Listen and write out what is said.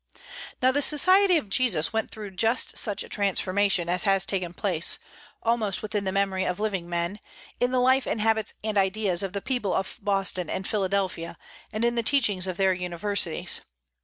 Now the Society of Jesus went through just such a transformation as has taken place, almost within the memory of living men, in the life and habits and ideas of the people of Boston and Philadelphia and in the teachings of their universities.